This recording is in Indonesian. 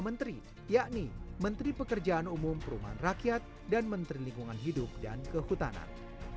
menteri yakni menteri pekerjaan umum perumahan rakyat dan menteri lingkungan hidup dan kehutanan